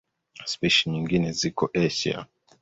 Spishi nyingi ziko Asia.